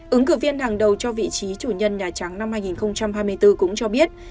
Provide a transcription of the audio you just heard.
ứng cử viên hàng đầu cho vị trí chủ nhân nhà trắng năm hai nghìn hai mươi bốn cũng cho biết